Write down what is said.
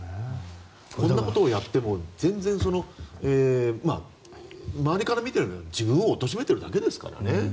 こんなことをやっても全然周りから見れば自分を貶めているだけですからね。